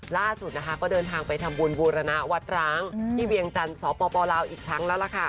ล่าสุดนะคะก็เดินทางไปทำบุญบูรณะวัดร้างที่เวียงจันทร์สปลาวอีกครั้งแล้วล่ะค่ะ